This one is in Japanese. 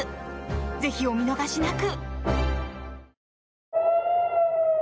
ぜひ、お見逃しなく！